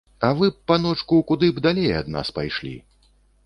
А вы б, паночку, куды б далей ад нас пайшлі.